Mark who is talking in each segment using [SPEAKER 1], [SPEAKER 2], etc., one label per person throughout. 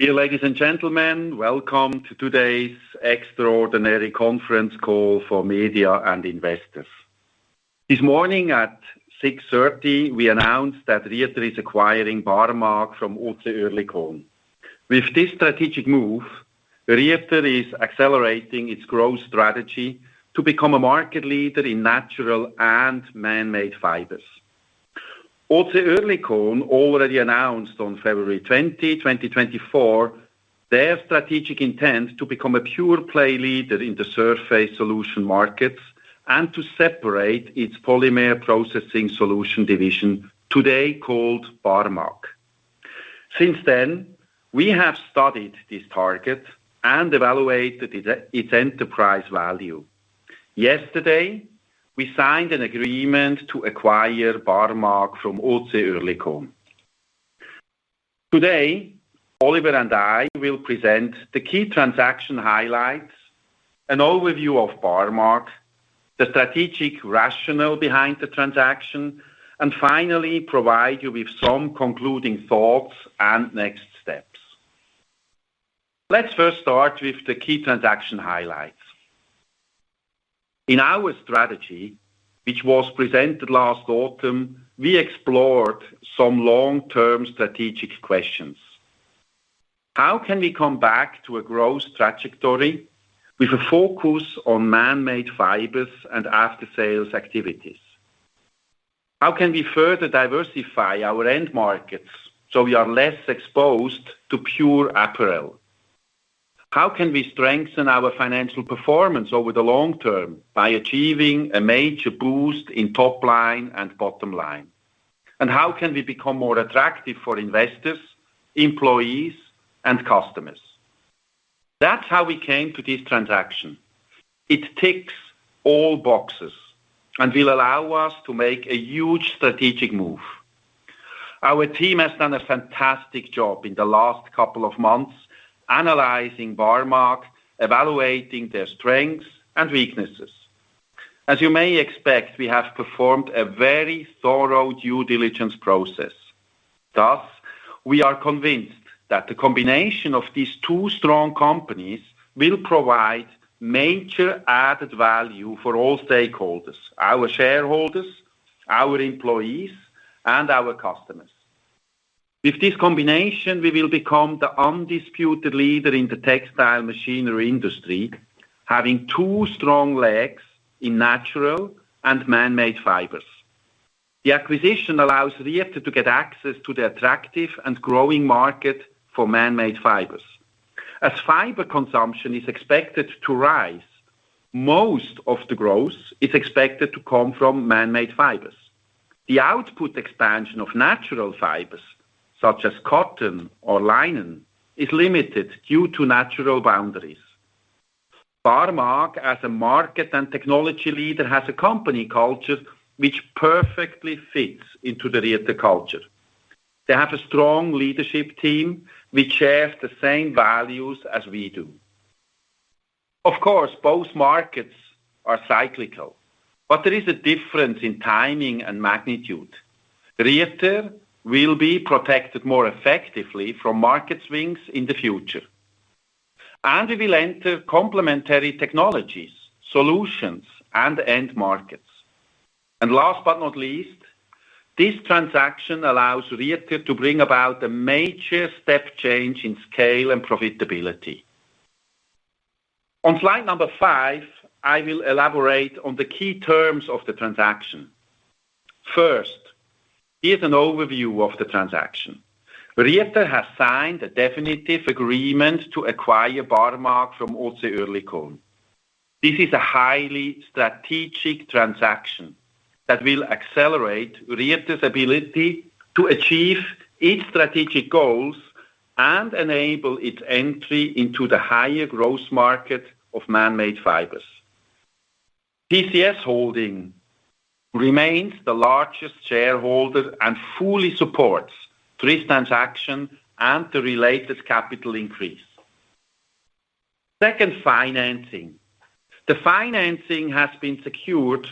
[SPEAKER 1] Dear ladies and gentlemen, welcome to today's extraordinary conference call for media and investors. This morning at 6:30, we announced that Rieter is acquiring Barmag from OC Oerlikon. With this strategic move, Rieter is accelerating its growth strategy to become a market leader in natural and man-made fibers. OC Oerlikon already announced on February 20, 2024, their strategic intent to become a pure-play leader in the surface solution markets and to separate its polymer processing solution division, today called Barmag. Since then, we have studied this target and evaluated its enterprise value. Yesterday, we signed an agreement to acquire Barmag from OC Oerlikon. Today, Oliver and I will present the key transaction highlights, an overview of Barmag, the strategic rationale behind the transaction, and finally provide you with some concluding thoughts and next steps. Let's first start with the key transaction highlights. In our strategy, which was presented last autumn, we explored some long-term strategic questions. How can we come back to a growth trajectory with a focus on man-made fibers and after-sales activities? How can we further diversify our end markets so we are less exposed to pure apparel? How can we strengthen our financial performance over the long term by achieving a major boost in top line and bottom line? How can we become more attractive for investors, employees, and customers? That is how we came to this transaction. It ticks all boxes and will allow us to make a huge strategic move. Our team has done a fantastic job in the last couple of months analyzing Barmag, evaluating their strengths and weaknesses. As you may expect, we have performed a very thorough due diligence process. Thus, we are convinced that the combination of these two strong companies will provide major added value for all stakeholders: our shareholders, our employees, and our customers. With this combination, we will become the undisputed leader in the textile machinery industry, having two strong legs in natural and man-made fibers. The acquisition allows Rieter to get access to the attractive and growing market for man-made fibers. As fiber consumption is expected to rise, most of the growth is expected to come from man-made fibers. The output expansion of natural fibers, such as cotton or linen, is limited due to natural boundaries. Barmag, as a market and technology leader, has a company culture which perfectly fits into the Rieter culture. They have a strong leadership team which shares the same values as we do. Of course, both markets are cyclical, but there is a difference in timing and magnitude. Rieter will be protected more effectively from market swings in the future. We will enter complementary technologies, solutions, and end markets. Last but not least, this transaction allows Rieter to bring about a major step change in scale and profitability. On slide number five, I will elaborate on the key terms of the transaction. First, here is an overview of the transaction. Rieter has signed a definitive agreement to acquire Barmag from OC Oerlikon. This is a highly strategic transaction that will accelerate Rieter's ability to achieve its strategic goals and enable its entry into the higher growth market of man-made fibers. TCS Holding remains the largest shareholder and fully supports this transaction and the related capital increase. Second, financing. The financing has been secured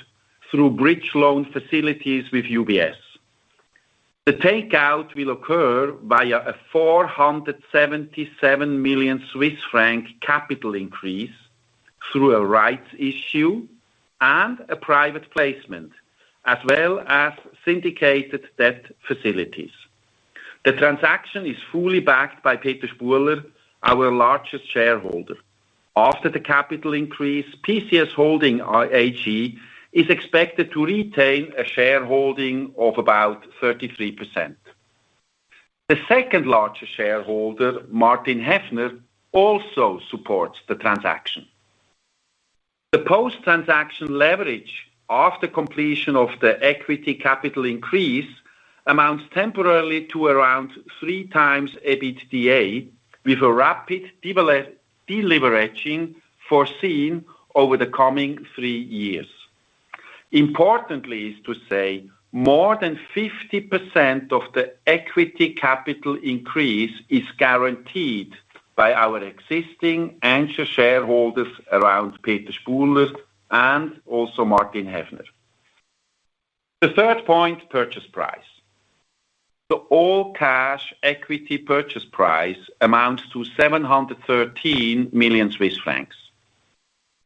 [SPEAKER 1] through bridge loan facilities with UBS. The takeout will occur via a 477 million Swiss franc capital increase through a rights issue and a private placement, as well as syndicated debt facilities. The transaction is fully backed by Peter Spuhler, our largest shareholder. After the capital increase, TCS Holding AG is expected to retain a shareholding of about 33%. The second largest shareholder, Martin Heffner, also supports the transaction. The post-transaction leverage after completion of the equity capital increase amounts temporarily to around three times EBITDA, with a rapid deleveraging foreseen over the coming three years. Importantly, it is to say, more than 50% of the equity capital increase is guaranteed by our existing and shareholders around Peter Spuhler and also Martin Heffner. The third point, purchase price. The all-cash equity purchase price amounts to 713 million Swiss francs.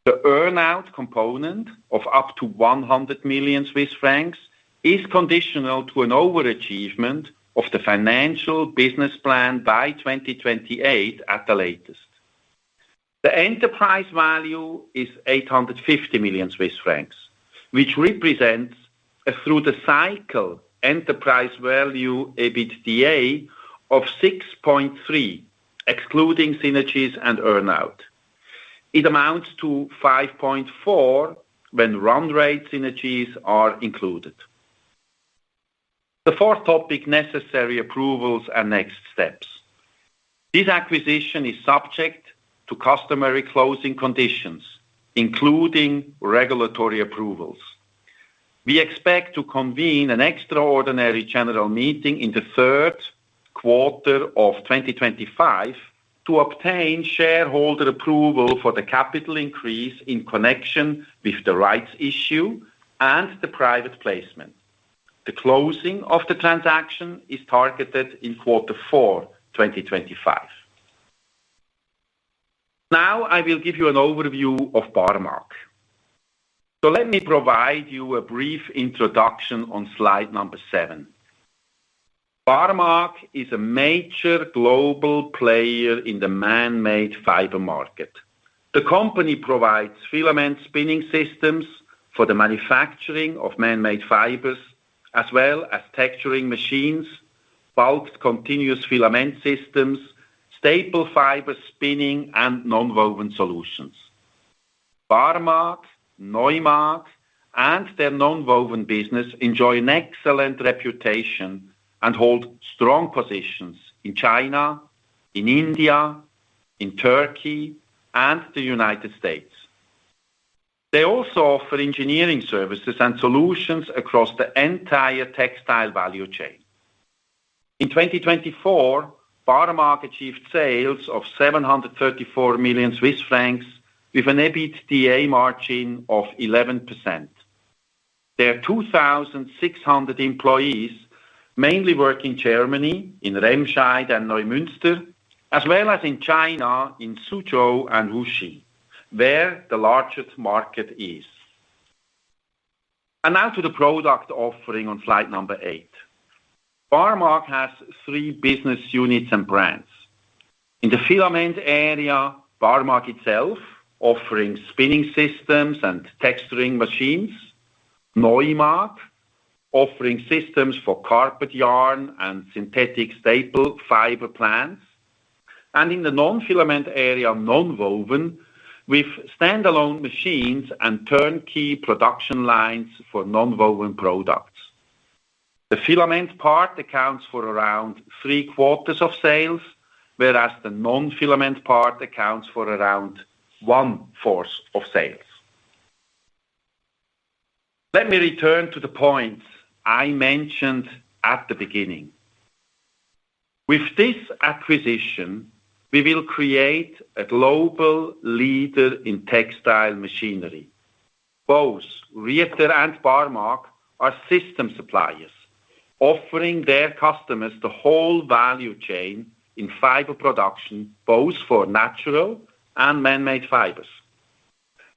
[SPEAKER 1] The earn-out component of up to 100 million Swiss francs is conditional to an overachievement of the financial business plan by 2028 at the latest. The enterprise value is 850 million Swiss francs, which represents, through the cycle, enterprise value EBITDA of 6.3, excluding synergies and earn-out. It amounts to 5.4 when run rate synergies are included. The fourth topic, necessary approvals and next steps. This acquisition is subject to customary closing conditions, including regulatory approvals. We expect to convene an extraordinary general meeting in the third quarter of 2025 to obtain shareholder approval for the capital increase in connection with the rights issue and the private placement. The closing of the transaction is targeted in quarter four, 2025. Now, I will give you an overview of Barmag. Let me provide you a brief introduction on slide number seven. Barmag is a major global player in the man-made fiber market. The company provides filament spinning systems for the manufacturing of man-made fibers, as well as texturing machines, bulk continuous filament systems, staple fiber spinning, and nonwoven solutions. Barmag, Neumag, and their nonwoven business enjoy an excellent reputation and hold strong positions in China, in India, in Turkey, and the United States. They also offer engineering services and solutions across the entire textile value chain. In 2024, Barmag achieved sales of 734 million Swiss francs with an EBITDA margin of 11%. There are 2,600 employees, mainly working in Germany, in Remscheid and Neumünster, as well as in China in Suzhou and Wuxi, where the largest market is. Now to the product offering on slide number eight. Barmag has three business units and brands. In the filament area, Barmag itself, offering spinning systems and texturing machines. Neumag, offering systems for carpet yarn and synthetic staple fiber plants. In the non-filament area, nonwovens, with standalone machines and turnkey production lines for nonwoven products. The filament part accounts for around three quarters of sales, whereas the non-filament part accounts for around one fourth of sales. Let me return to the points I mentioned at the beginning. With this acquisition, we will create a global leader in textile machinery. Both Rieter and Barmag are system suppliers, offering their customers the whole value chain in fiber production, both for natural and man-made fibers.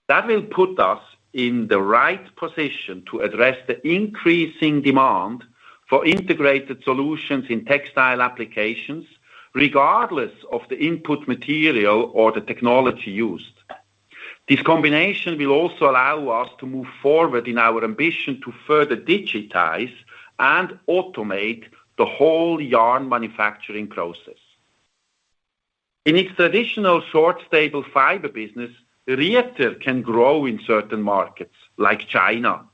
[SPEAKER 1] That will put us in the right position to address the increasing demand for integrated solutions in textile applications, regardless of the input material or the technology used. This combination will also allow us to move forward in our ambition to further digitize and automate the whole yarn manufacturing process. In its traditional short-staple fiber business, Rieter can grow in certain markets, like China,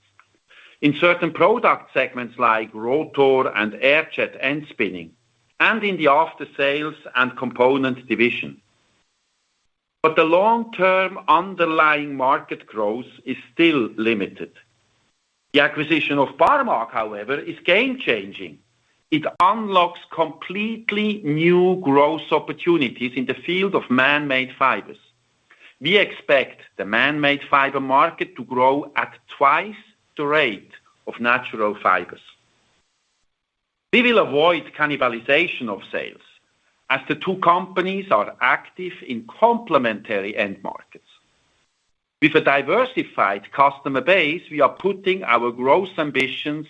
[SPEAKER 1] in certain product segments like rotor and air-jet end spinning, and in the after-sales and component division. The long-term underlying market growth is still limited. The acquisition of Barmag, however, is game-changing. It unlocks completely new growth opportunities in the field of man-made fibers. We expect the man-made fiber market to grow at twice the rate of natural fibers. We will avoid cannibalization of sales, as the two companies are active in complementary end markets. With a diversified customer base, we are putting our growth ambitions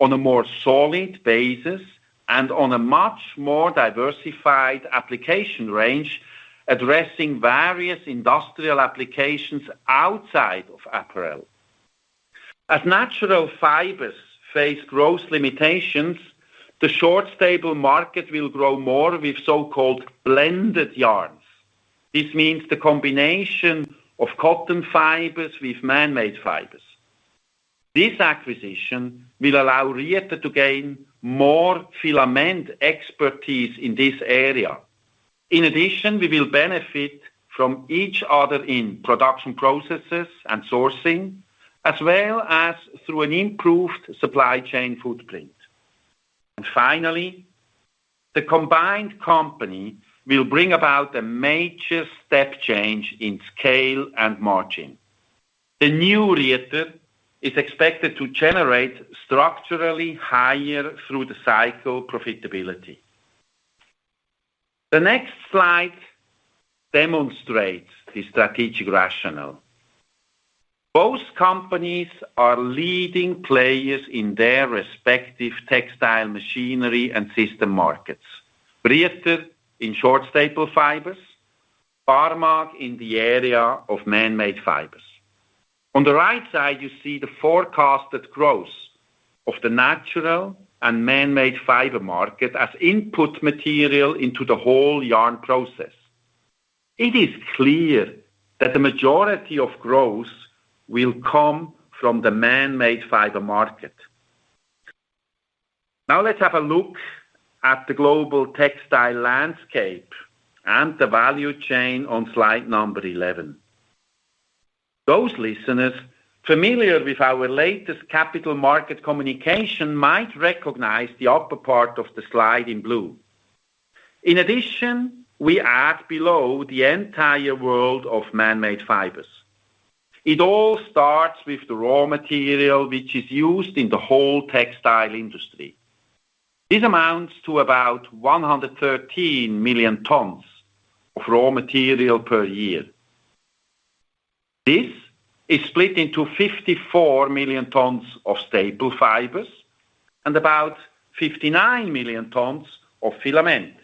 [SPEAKER 1] on a more solid basis and on a much more diversified application range, addressing various industrial applications outside of apparel. As natural fibers face growth limitations, the short-staple market will grow more with so-called blended yarns. This means the combination of cotton fibers with man-made fibers. This acquisition will allow Rieter to gain more filament expertise in this area. In addition, we will benefit from each other in production processes and sourcing, as well as through an improved supply chain footprint. Finally, the combined company will bring about a major step change in scale and margin. The new Rieter is expected to generate structurally higher through the cycle profitability. The next slide demonstrates the strategic rationale. Both companies are leading players in their respective textile machinery and system markets: Rieter in short-staple fibers, Barmag in the area of man-made fibers. On the right side, you see the forecasted growth of the natural and man-made fiber market as input material into the whole yarn process. It is clear that the majority of growth will come from the man-made fiber market. Now, let's have a look at the global textile landscape and the value chain on slide number 11. Those listeners familiar with our latest capital market communication might recognize the upper part of the slide in blue. In addition, we add below the entire world of man-made fibers. It all starts with the raw material which is used in the whole textile industry. This amounts to about 113 million tons of raw material per year. This is split into 54 million tons of staple fibers and about 59 million tons of filament.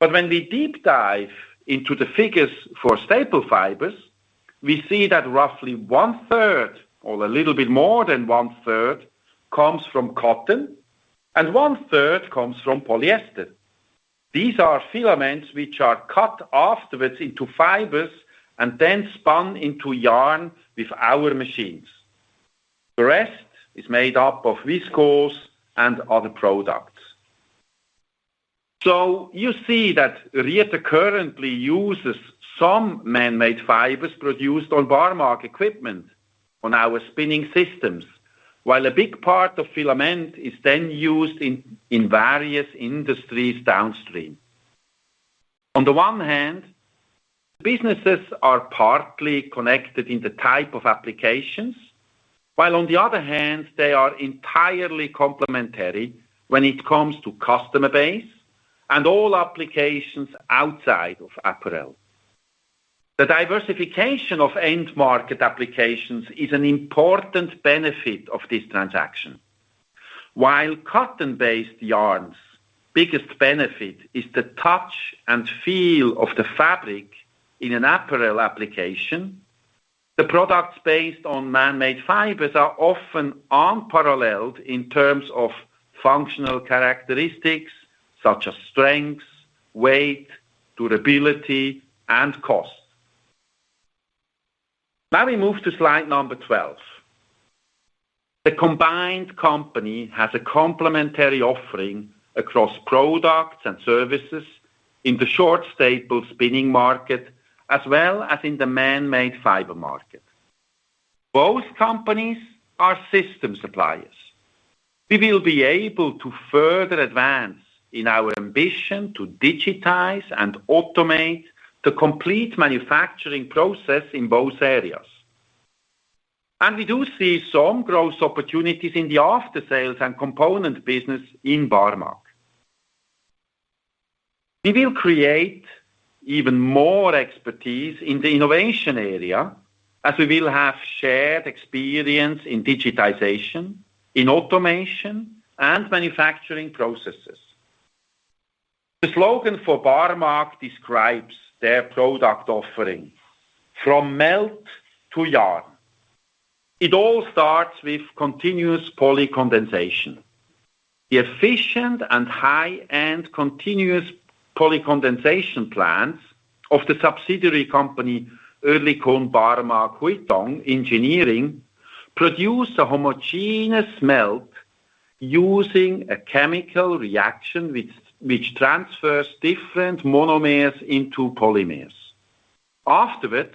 [SPEAKER 1] When we deep dive into the figures for staple fibers, we see that roughly one third, or a little bit more than one third, comes from cotton, and one third comes from polyester. These are filaments which are cut afterwards into fibers and then spun into yarn with our machines. The rest is made up of viscose and other products. You see that Rieter currently uses some man-made fibers produced on Barmag equipment on our spinning systems, while a big part of filament is then used in various industries downstream. On the one hand, the businesses are partly connected in the type of applications, while on the other hand, they are entirely complementary when it comes to customer base and all applications outside of apparel. The diversification of end market applications is an important benefit of this transaction. While cotton-based yarns' biggest benefit is the touch and feel of the fabric in an apparel application, the products based on man-made fibers are often unparalleled in terms of functional characteristics such as strength, weight, durability, and cost. Now we move to slide number 12. The combined company has a complementary offering across products and services in the short-staple spinning market, as well as in the man-made fiber market. Both companies are system suppliers. We will be able to further advance in our ambition to digitize and automate the complete manufacturing process in both areas. We do see some growth opportunities in the after-sales and component business in Barmag. We will create even more expertise in the innovation area, as we will have shared experience in digitization, in automation, and manufacturing processes. The slogan for Barmag describes their product offering: "From melt to yarn." It all starts with continuous polycondensation. The efficient and high-end continuous polycondensation plants of the subsidiary company, Oerlikon Barmag Huitong Engineering, produce a homogeneous melt using a chemical reaction which transfers different monomers into polymers. Afterwards,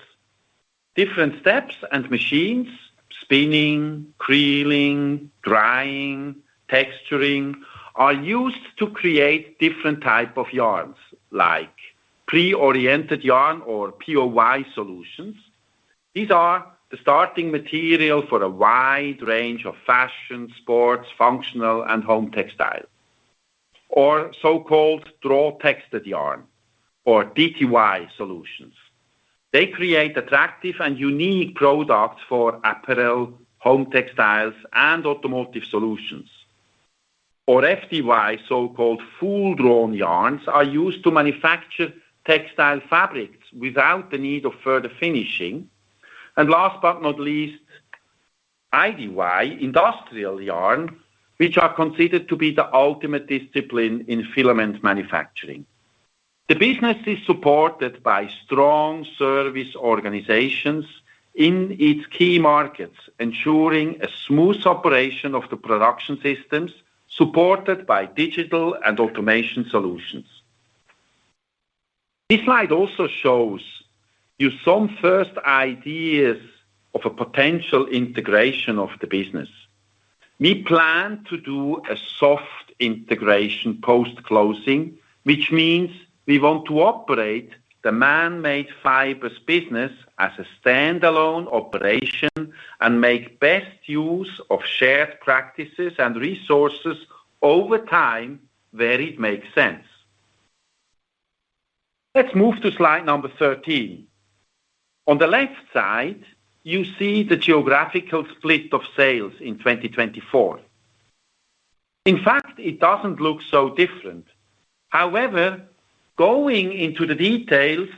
[SPEAKER 1] different steps and machines—spinning, creeling, drying, texturing—are used to create different types of yarns, like pre-oriented yarn or POY solutions. These are the starting material for a wide range of fashion, sports, functional, and home textiles, or so-called draw-textured yarn or DTY solutions. They create attractive and unique products for apparel, home textiles, and automotive solutions. FDY, so-called full-drawn yarns, are used to manufacture textile fabrics without the need of further finishing. Last but not least, IDY, industrial yarn, which are considered to be the ultimate discipline in filament manufacturing. The business is supported by strong service organizations in its key markets, ensuring a smooth operation of the production systems supported by digital and automation solutions. This slide also shows you some first ideas of a potential integration of the business. We plan to do a soft integration post-closing, which means we want to operate the man-made fibers business as a standalone operation and make best use of shared practices and resources over time where it makes sense. Let's move to slide number 13. On the left side, you see the geographical split of sales in 2024. In fact, it does not look so different. However, going into the details,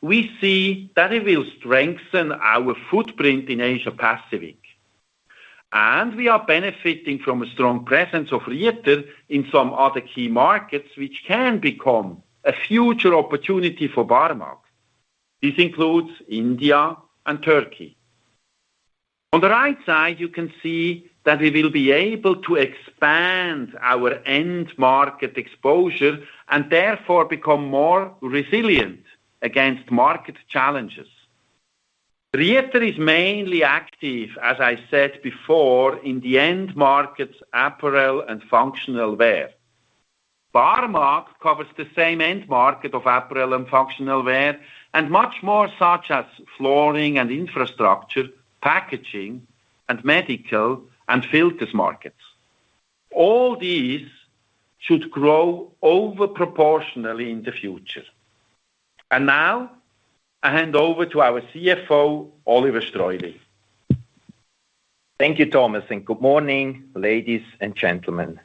[SPEAKER 1] we see that it will strengthen our footprint in Asia-Pacific. We are benefiting from a strong presence of Rieter in some other key markets, which can become a future opportunity for Barmag. This includes India and Turkey. On the right side, you can see that we will be able to expand our end market exposure and therefore become more resilient against market challenges. Rieter is mainly active, as I said before, in the end markets, apparel, and functional wear. Barmag covers the same end market of apparel and functional wear and much more, such as flooring and infrastructure, packaging, and medical and filters markets. All these should grow overproportionally in the future. Now, I hand over to our CFO, Oliver Streuli.
[SPEAKER 2] Thank you, Thomas, and good morning, ladies and gentlemen.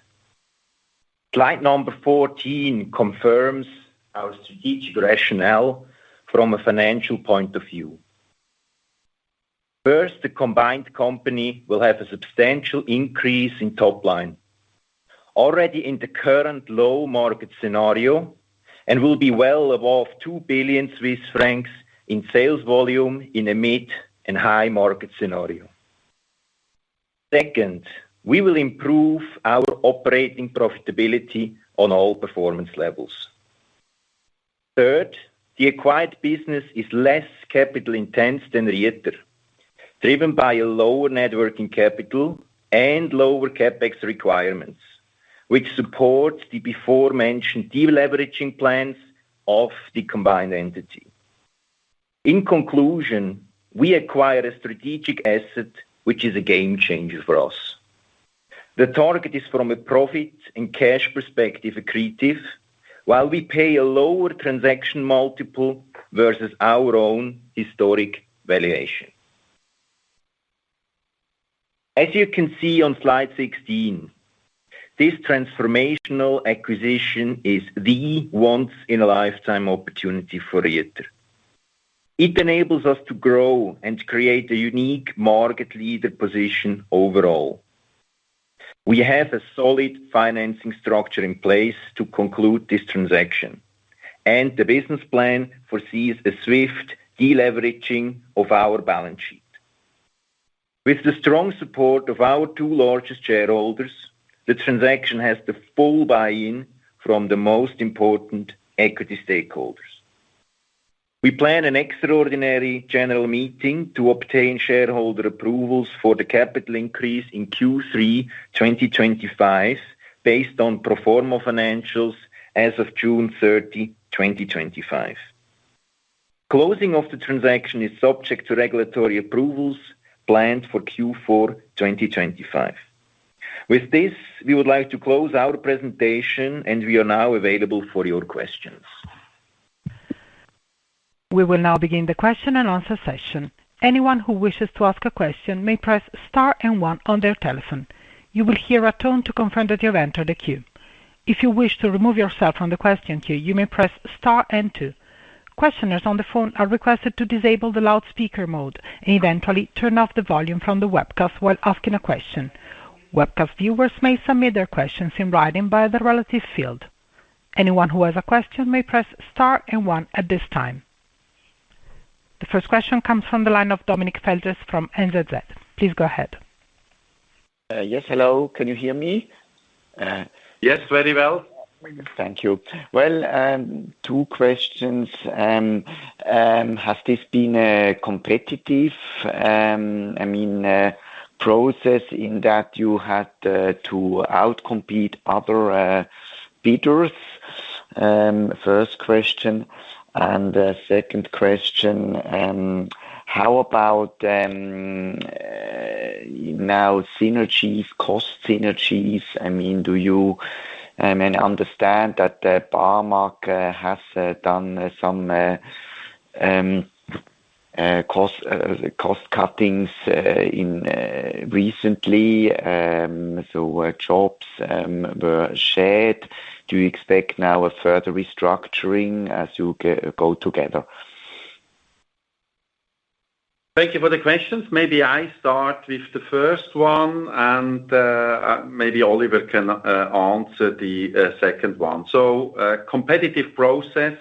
[SPEAKER 2] Slide number 14 confirms our strategic rationale from a financial point of view. First, the combined company will have a substantial increase in top line, already in the current low market scenario, and will be well above 2 billion Swiss francs in sales volume in a mid and high market scenario. Second, we will improve our operating profitability on all performance levels. Third, the acquired business is less capital-intense than Rieter, driven by a lower net working capital and lower CapEx requirements, which supports the before-mentioned de-leveraging plans of the combined entity. In conclusion, we acquire a strategic asset, which is a game-changer for us. The target is, from a profit and cash perspective, accretive, while we pay a lower transaction multiple versus our own historic valuation. As you can see on slide 16, this transformational acquisition is the once-in-a-lifetime opportunity for Rieter. It enables us to grow and create a unique market leader position overall. We have a solid financing structure in place to conclude this transaction, and the business plan foresees a swift de-leveraging of our balance sheet. With the strong support of our two largest shareholders, the transaction has the full buy-in from the most important equity stakeholders. We plan an extraordinary general meeting to obtain shareholder approvals for the capital increase in Q3 2025, based on pro forma financials as of June 30, 2025. Closing of the transaction is subject to regulatory approvals planned for Q4 2025. With this, we would like to close our presentation, and we are now available for your questions.
[SPEAKER 3] We will now begin the question-and-answer session. Anyone who wishes to ask a question may press star and one on their telephone. You will hear a tone to confirm that you have entered the queue. If you wish to remove yourself from the question queue, you may press star and two. Questioners on the phone are requested to disable the loudspeaker mode and eventually turn off the volume from the webcast while asking a question. Webcast viewers may submit their questions in writing by the relative field. Anyone who has a question may press Star and 1 at this time. The first question comes from the line of Dominik Feldges from NZZ. Please go ahead.
[SPEAKER 4] Yes, hello. Can you hear me?
[SPEAKER 1] Yes, very well.
[SPEAKER 4] Thank you. Two questions. Has this been a competitive, I mean, process in that you had to outcompete other bidders? First question. Second question, how about now synergies, cost synergies? I mean, do you understand that Barmag has done some cost cuttings recently, so jobs were shared? Do you expect now a further restructuring as you go together?
[SPEAKER 1] Thank you for the questions. Maybe I start with the first one, and maybe Oliver can answer the second one. Competitive process,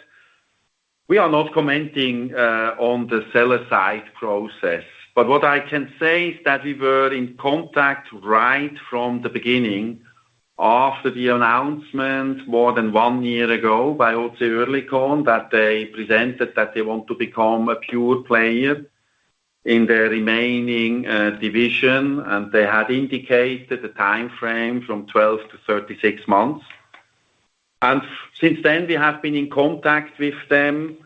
[SPEAKER 1] we are not commenting on the seller-side process. What I can say is that we were in contact right from the beginning after the announcement more than one year ago by OC Oerlikon that they presented that they want to become a pure player in their remaining division, and they had indicated a timeframe from 12-36 months. Since then, we have been in contact with them.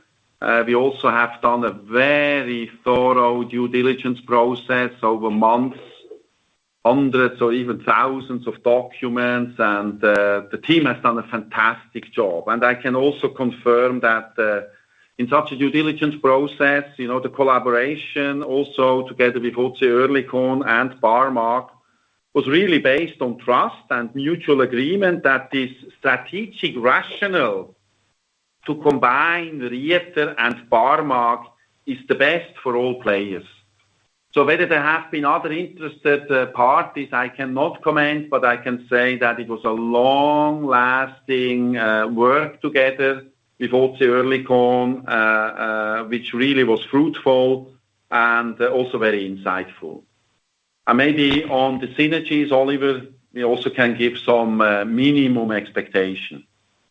[SPEAKER 1] We also have done a very thorough due diligence process over months, hundreds or even thousands of documents, and the team has done a fantastic job. I can also confirm that in such a due diligence process, the collaboration also together with OC Oerlikon and Barmag was really based on trust and mutual agreement that this strategic rationale to combine Rieter and Barmag is the best for all players. Whether there have been other interested parties, I cannot comment, but I can say that it was a long-lasting work together with OC Oerlikon, which really was fruitful and also very insightful. Maybe on the synergies, Oliver, we also can give some minimum expectation.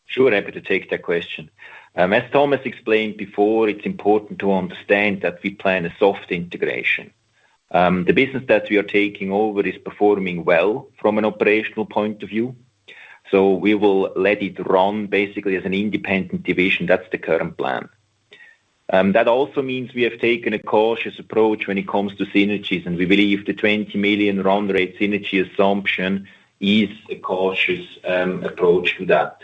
[SPEAKER 2] Sure, I'm happy to take that question. As Thomas explained before, it's important to understand that we plan a soft integration. The business that we are taking over is performing well from an operational point of view, so we will let it run basically as an independent division. That is the current plan. That also means we have taken a cautious approach when it comes to synergies, and we believe the 20 million run-rate synergy assumption is a cautious approach to that.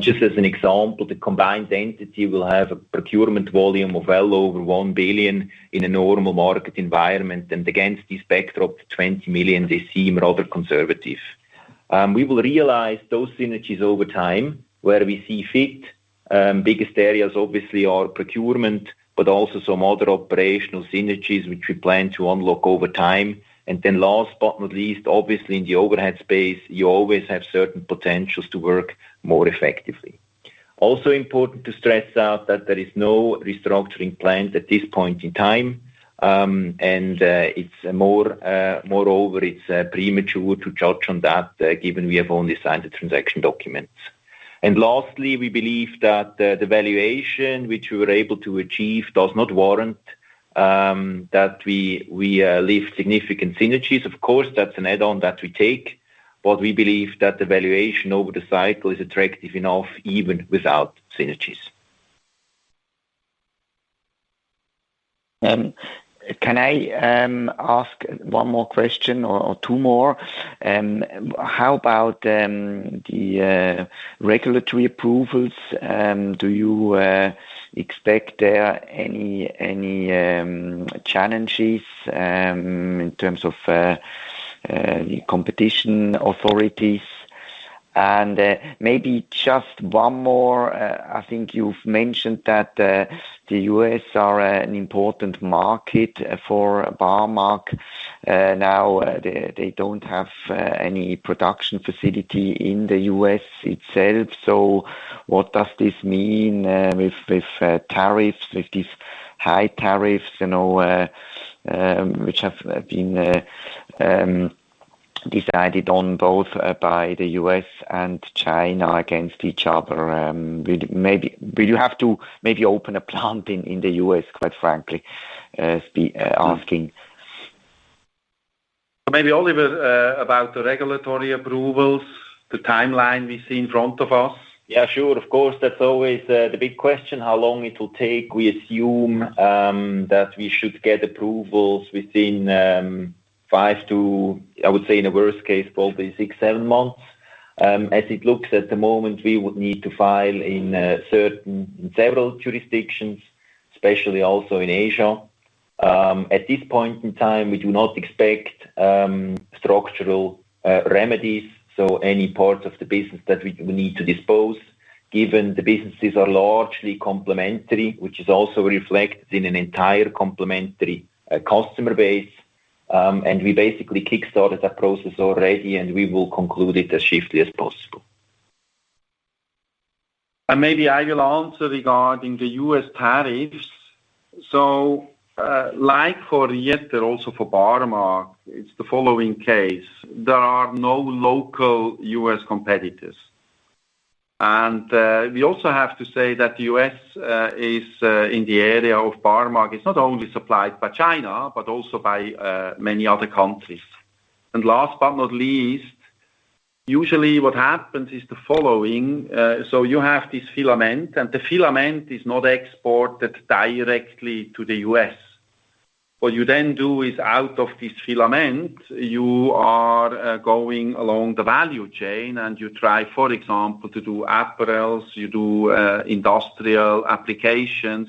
[SPEAKER 2] Just as an example, the combined entity will have a procurement volume of well over 1 billion in a normal market environment, and against this backdrop, the 20 million, they seem rather conservative. We will realize those synergies over time where we see fit. Biggest areas obviously are procurement, but also some other operational synergies which we plan to unlock over time. Last but not least, obviously in the overhead space, you always have certain potentials to work more effectively. Also important to stress out that there is no restructuring plan that this point in time and it's more of a premature to try from that given we have all this transaction documents. And lastly we believe that the valuation which we are able to achieve does not warrant that we leave significantly even without synegies.
[SPEAKER 4] Can I ask one more question? What does this mean with tariffs, with these high tariffs which have been decided on both by the U.S. and China against each other? Will you have to maybe open a plant in the U.S., quite frankly, asking?
[SPEAKER 1] Maybe Oliver about the regulatory approvals, the timeline we see in front of us.
[SPEAKER 2] Yeah, sure. Of course, that's always the big question, how long it will take. We assume that we should get approvals within five to, I would say in a worst case, probably six-seven months. As it looks at the moment, we would need to file in several jurisdictions, especially also in Asia. At this point in time, we do not expect structural remedies, so any part of the business that we need to dispose, given the businesses are largely complementary, which is also reflected in an entire complementary customer base. We basically kickstarted that process already, and we will conclude it as swiftly as possible.
[SPEAKER 1] Maybe I will answer regarding the U.S. tariffs. Like for Rieter, also for Barmag, it's the following case. There are no local U.S. competitors. We also have to say that the U.S. is in the area of Barmag. It's not only supplied by China, but also by many other countries. Last but not least, usually what happens is the following. You have this filament, and the filament is not exported directly to the U.S. What you then do is, out of this filament, you are going along the value chain, and you try, for example, to do a pparels, you do industrial applications.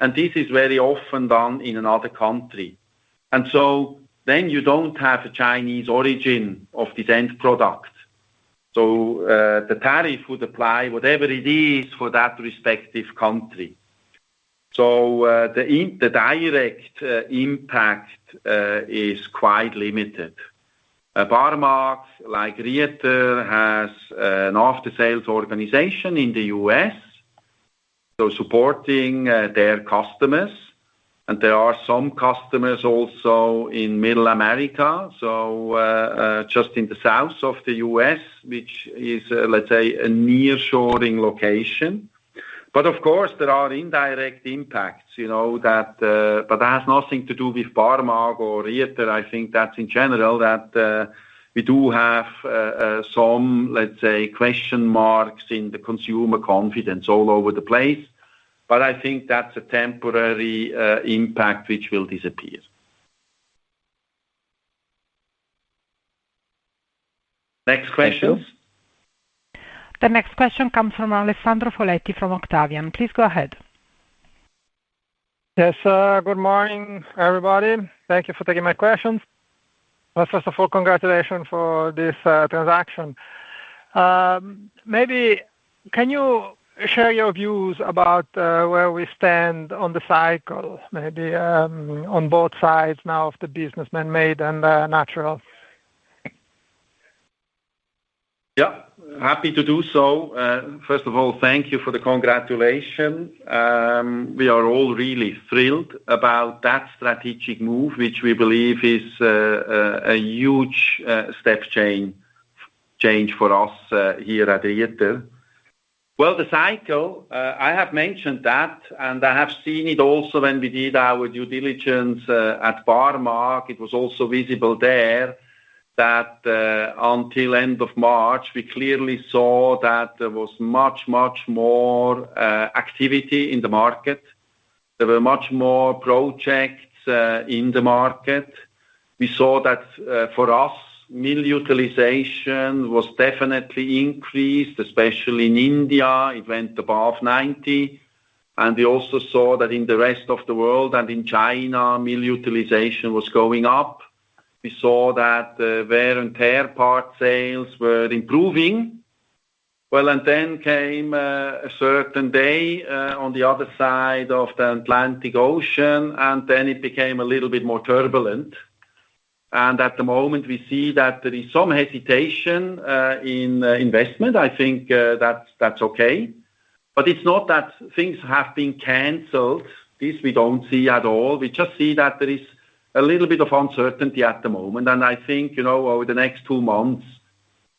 [SPEAKER 1] This is very often done in another country. Then you do not have a Chinese origin of this end product. The tariff would apply whatever it is for that respective country. The direct impact is quite limited. Barmag, like Rieter, has an after-sales organization in the U.S., supporting their customers. There are some customers also in Middle America, just in the south of the U.S., which is, let's say, a nearshoring location. Of course, there are indirect impacts, but that has nothing to do with Barmag or Rieter. I think that's in general that we do have some, let's say, question marks in the consumer confidence all over the place. I think that's a temporary impact which will disappear. Next questions.
[SPEAKER 3] The next question comes from Alessandro Foletti from Octavian. Please go ahead.
[SPEAKER 5] Yes, good morning, everybody. Thank you for taking my questions. First of all, congratulations for this transaction. Maybe can you share your views about where we stand on the cycle, maybe on both sides now of the business, man-made and natural?
[SPEAKER 1] Yeah, happy to do so. First of all, thank you for the congratulations. We are all really thrilled about that strategic move, which we believe is a huge step change for us here at Rieter. The cycle, I have mentioned that, and I have seen it also when we did our due diligence at Barmag. It was also visible there that until end of March, we clearly saw that there was much, much more activity in the market. There were much more projects in the market. We saw that for us, mill utilization was definitely increased, especially in India. It went above 90%. We also saw that in the rest of the world and in China, mill utilization was going up. We saw that wear-and-tear part sales were improving. Then came a certain day on the other side of the Atlantic Ocean, and it became a little bit more turbulent. At the moment, we see that there is some hesitation in investment. I think that's okay. It's not that things have been canceled. This we don't see at all. We just see that there is a little bit of uncertainty at the moment. I think over the next two months,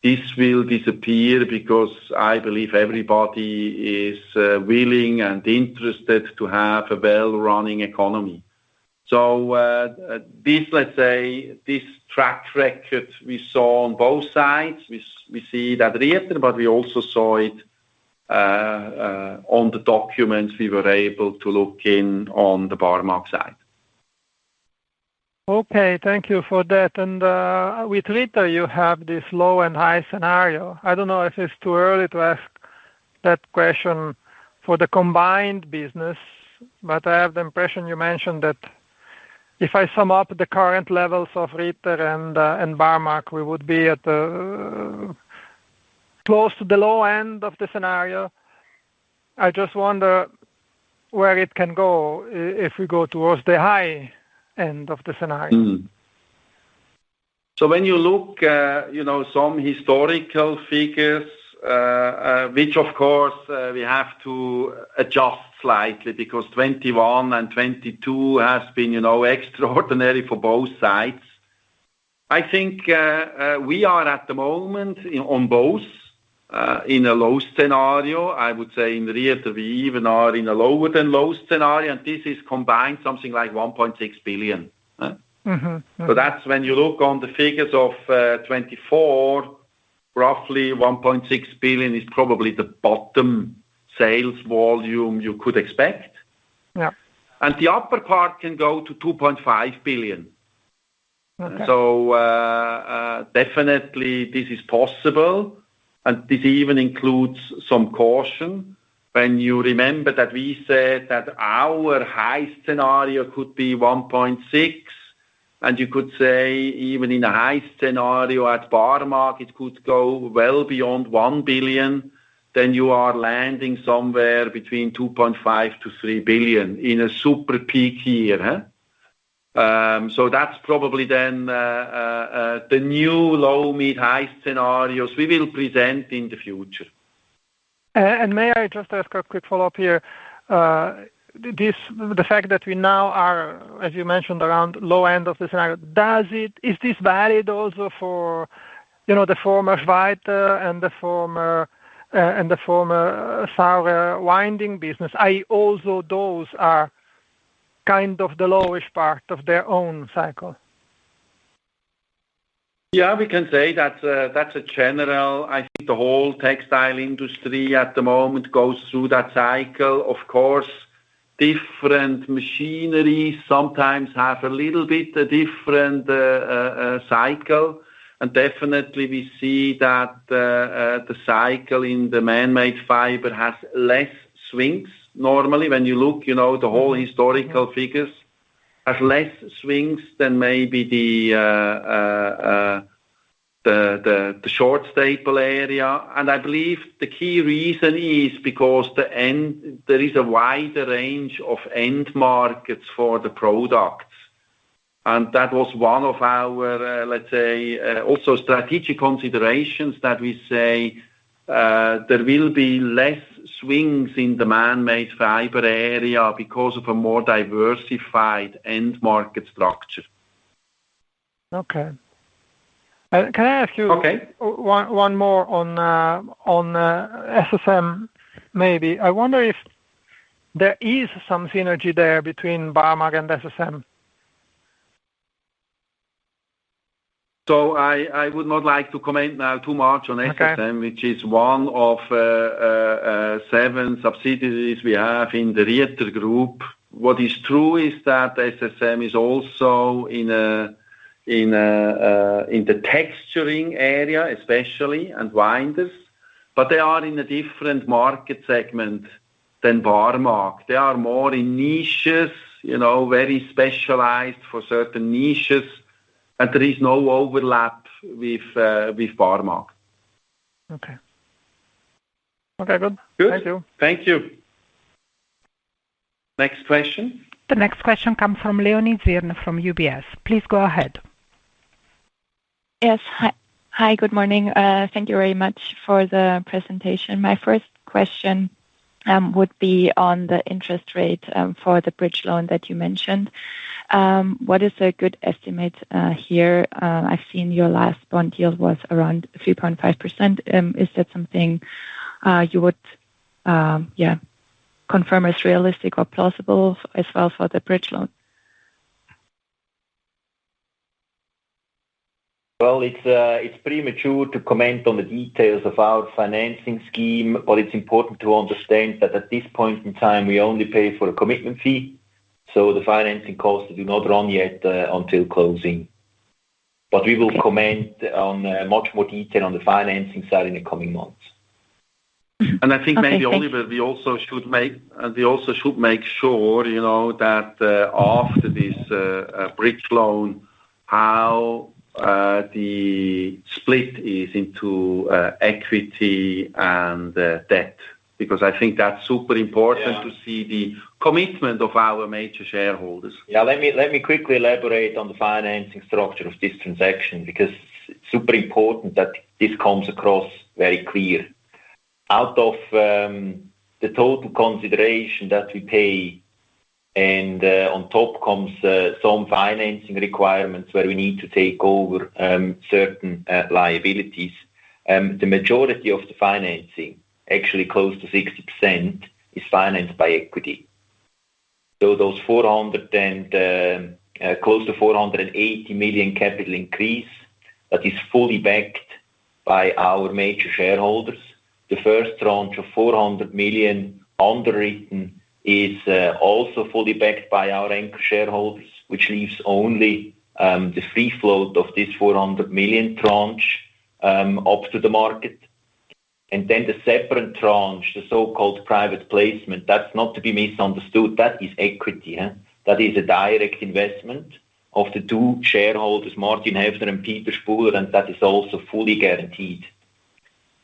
[SPEAKER 1] this will disappear because I believe everybody is willing and interested to have a well-running economy. This track record we saw on both sides, we see it at Rieter, but we also saw it on the documents we were able to look in on the Barmag side.
[SPEAKER 5] Okay, thank you for that. With Rieter, you have this low and high scenario. I do not know if it is too early to ask that question for the combined business, but I have the impression you mentioned that if I sum up the current levels of Rieter and Barmag, we would be close to the low end of the scenario. I just wonder where it can go if we go towards the high end of the scenario.
[SPEAKER 1] When you look at some historical figures, which of course we have to adjust slightly because 2021 and 2022 have been extraordinary for both sides, I think we are at the moment on both in a low scenario. I would say in Rieter, we even are in a lower than low scenario, and this is combined something like 1.6 billion. When you look on the figures of 2024, roughly 1.6 billion is probably the bottom sales volume you could expect. The upper part can go to 2.5 billion. Definitely this is possible, and this even includes some caution when you remember that we said that our high scenario could be 1.6 billion, and you could say even in a high scenario at Barmag, it could go well beyond 1 billion, then you are landing somewhere between 2.5 billion-3 billion in a super peak year. That is probably then the new low, mid, high scenarios we will present in the future.
[SPEAKER 5] May I just ask a quick follow-up here? The fact that we now are, as you mentioned, around low end of the scenario, is this valid also for the former Schweiter and the former Sauer winding business, also those are kind of the lowest part of their own cycle?
[SPEAKER 1] Yeah, we can say that's a general. I think the whole textile industry at the moment goes through that cycle. Of course, different machineries sometimes have a little bit different cycle, and definitely we see that the cycle in the man-made fiber has less swings. Normally, when you look, the whole historical figures have less swings than maybe the short-staple area. I believe the key reason is because there is a wider range of end markets for the products. That was one of our, let's say, also strategic considerations that we say there will be less swings in the man-made fiber area because of a more diversified end market structure.
[SPEAKER 5] Okay. Can I ask you one more on SSM maybe? I wonder if there is some synergy there between Barmag and SSM.
[SPEAKER 2] I would not like to comment now too much on SSM, which is one of seven subsidiaries we have in the Rieter group. What is true is that SSM is also in the texturing area especially and winders, but they are in a different market segment than Barmag. They are more in niches, very specialized for certain niches, and there is no overlap with Barmag.
[SPEAKER 5] Okay. Okay, good. Thank you.
[SPEAKER 1] Thank you. Next question?
[SPEAKER 3] The next question comes from Leonie Zirn from UBS. Please go ahead.
[SPEAKER 6] Yes. Hi, good morning. Thank you very much for the presentation. My first question would be on the interest rate for the bridge loan that you mentioned. What is a good estimate here? I've seen your last bond yield was around 3.5%. Is that something you would, yeah, confirm as realistic or plausible as well for the bridge loan?
[SPEAKER 2] It is premature to comment on the details of our financing scheme, but it's important to understand that at this point in time, we only pay for a commitment fee. The financing costs do not run yet until closing. We will comment in much more detail on the financing side in the coming months. I think maybe Oliver, we also should make sure that after this bridge loan, how the split is into equity and debt, because I think that's super important to see the commitment of our major shareholders.
[SPEAKER 1] Yeah, let me quickly elaborate on the financing structure of this transaction because it's super important that this comes across very clear. Out of the total consideration that we pay, and on top comes some financing requirements where we need to take over certain liabilities, the majority of the financing, actually close to 60%, is financed by equity. So those close to 480 million capital increase that is fully backed by our major shareholders. The first tranche of 400 million underwritten is also fully backed by our anchor shareholders, which leaves only the free float of this 400 million tranche up to the market. The separate tranche, the so-called private placement, that's not to be misunderstood. That is equity. That is a direct investment of the two shareholders, Martin Heffner and Peter Spuhler, and that is also fully guaranteed.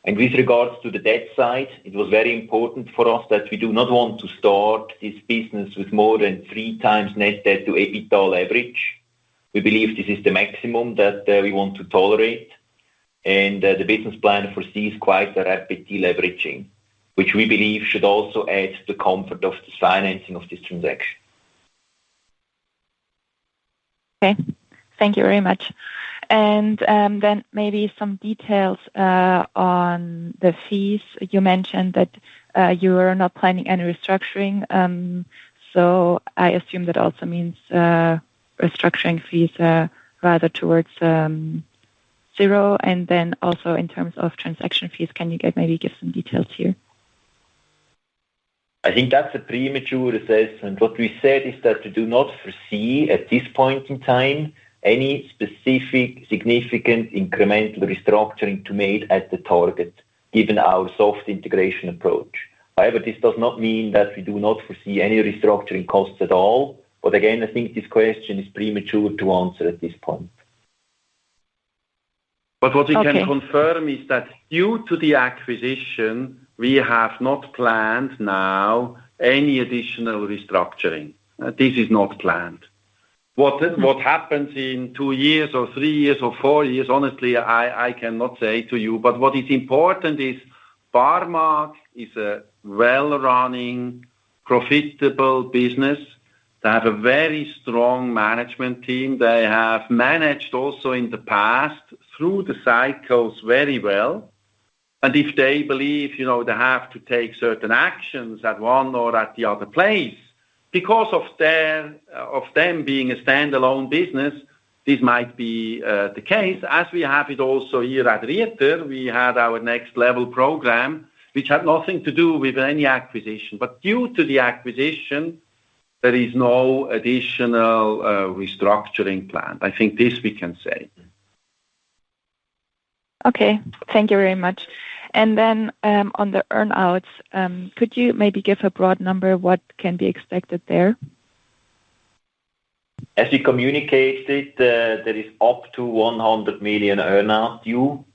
[SPEAKER 1] With regards to the debt side, it was very important for us that we do not want to start this business with more than three times net debt to EBITDA leverage. We believe this is the maximum that we want to tolerate. The business plan foresees quite a rapid deleveraging, which we believe should also add to the comfort of the financing of this transaction.
[SPEAKER 6] Thank you very much. Maybe some details on the fees. You mentioned that you are not planning any restructuring. I assume that also means restructuring fees rather towards zero. Also, in terms of transaction fees, can you maybe give some details here?
[SPEAKER 2] I think that is a premature assessment. What we said is that we do not foresee at this point in time any specific significant incremental restructuring to make at the target, given our soft integration approach. However, this does not mean that we do not foresee any restructuring costs at all. Again, I think this question is premature to answer at this point.
[SPEAKER 1] What we can confirm is that due to the acquisition, we have not planned now any additional restructuring. This is not planned. What happens in two years or three years or four years, honestly, I cannot say to you. What is important is Barmag is a well-running, profitable business. They have a very strong management team. They have managed also in the past through the cycles very well. If they believe they have to take certain actions at one or at the other place, because of them being a standalone business, this might be the case. As we have it also here at Rieter, we had our next level program, which had nothing to do with any acquisition. Due to the acquisition, there is no additional restructuring plan. I think this we can say.
[SPEAKER 6] Okay. Thank you very much. On the earnouts, could you maybe give a broad number of what can be expected there?
[SPEAKER 2] As we communicated, there is up to 100 million earnout due.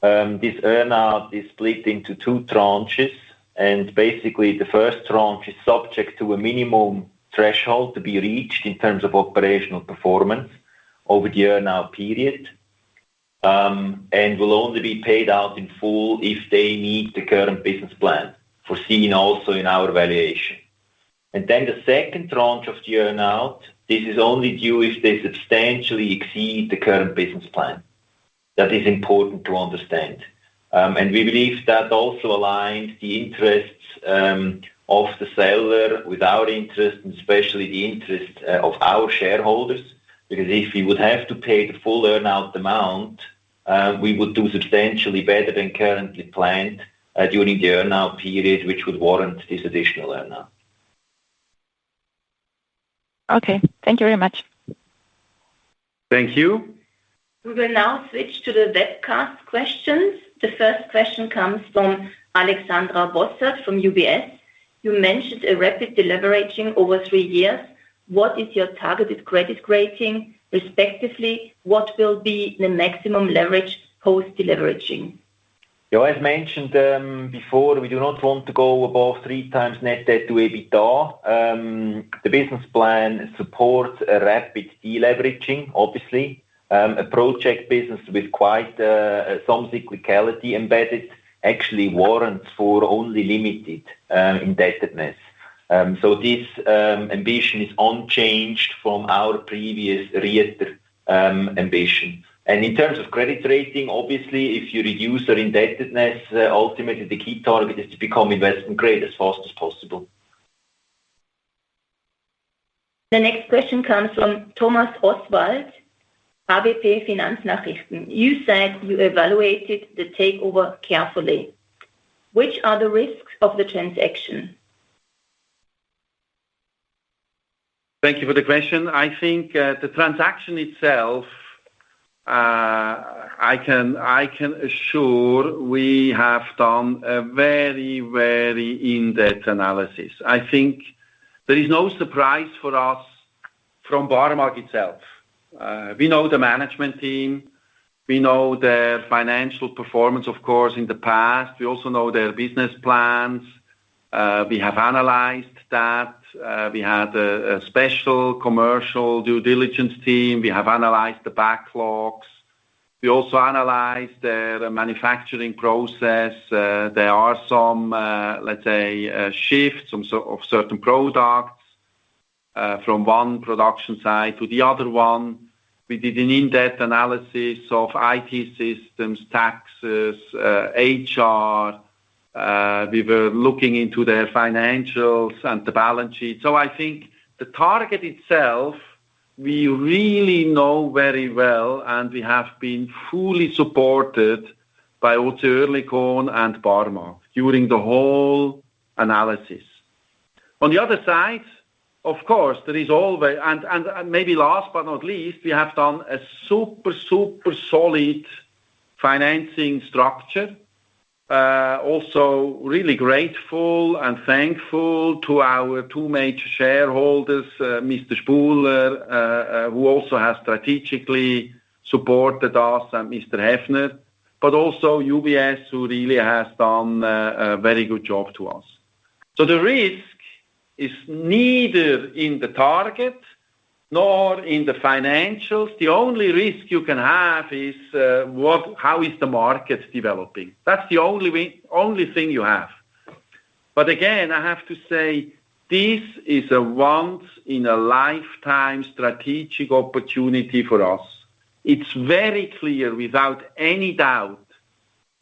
[SPEAKER 2] This earnout is split into two tranches. Basically, the first tranche is subject to a minimum threshold to be reached in terms of operational performance over the earnout period and will only be paid out in full if they meet the current business plan, foreseen also in our valuation. The second tranche of the earnout is only due if they substantially exceed the current business plan. That is important to understand. We believe that also aligns the interests of the seller with our interests, and especially the interests of our shareholders, because if we would have to pay the full earnout amount, we would do substantially better than currently planned during the earnout period, which would warrant this additional earnout.
[SPEAKER 6] Okay. Thank you very much.
[SPEAKER 2] Thank you.
[SPEAKER 3] We will now switch to the Rieter questions. The first question comes from Alexandra Bosshard from UBS. You mentioned a rapid deleveraging over three years. What is your targeted credit rating, respectively? What will be the maximum leverage post-deleveraging?
[SPEAKER 1] Yeah, as mentioned before, we do not want to go above three times net debt to EBITDA. The business plan supports a rapid deleveraging, obviously. A project business with quite some cyclicality embedded actually warrants for only limited indebtedness. This ambition is unchanged from our previous Rieter ambition. In terms of credit rating, obviously, if you reduce our indebtedness, ultimately the key target is to become investment-grade as fast as possible.
[SPEAKER 3] The next question comes from Thomas Oswald, ABP Finanznachrichten. You said you evaluated the takeover carefully. Which are the risks of the transaction?
[SPEAKER 1] Thank you for the question. I think the transaction itself, I can assure we have done a very, very in-depth analysis. I think there is no surprise for us from Barmag itself. We know the management team. We know their financial performance, of course, in the past. We also know their business plans. We have analyzed that. We had a special commercial due diligence team. We have analyzed the backlogs. We also analyzed their manufacturing process. There are some, let's say, shifts of certain products from one production site to the other one. We did an in-depth analysis of IT systems, taxes, HR. We were looking into their financials and the balance sheet. I think the target itself, we really know very well, and we have been fully supported by also OC Oerlikon and Barmag during the whole analysis. On the other side, of course, there is always—and maybe last but not least, we have done a super, super solid financing structure. Also really grateful and thankful to our two major shareholders, Mr. Spuhler, who also has strategically supported us, and Mr. Heffner, but also UBS, who really has done a very good job to us. The risk is neither in the target nor in the financials. The only risk you can have is how is the market developing. That is the only thing you have. Again, I have to say this is a once-in-a-lifetime strategic opportunity for us. It's very clear, without any doubt,